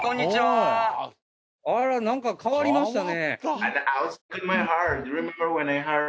あらなんか変わりましたね。